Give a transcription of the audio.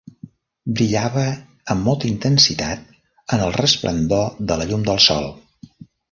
Brillava amb molta intensitat en el resplendor de la llum del sol.